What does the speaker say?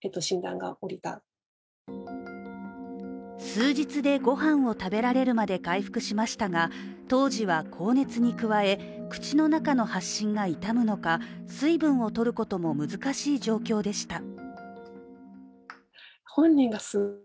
数日で、ごはんを食べられるまで回復しましたが当時は高熱に加え、口の中の発疹が痛むのか、水分をとることも難しい状況でした。